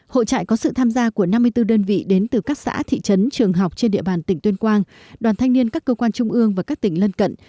hội trại có sự tham gia của năm mươi bốn đơn vị đến từ các xã thị trấn trường học trên địa bàn tỉnh tuyên quang đoàn thanh niên các cơ quan trung ương và các tỉnh lân cận